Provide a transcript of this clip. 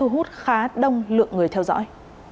hóa đông lượng người theo dõi